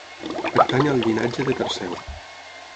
Pertany al llinatge de Perseu.